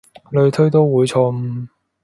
類推都會錯誤